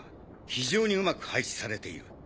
非常にうまく配置されている。